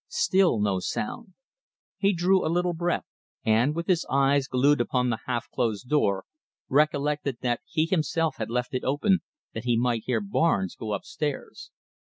Still no sound. He drew a little breath, and, with his eyes glued upon the half closed door, recollected that he himself had left it open that he might hear Barnes go upstairs.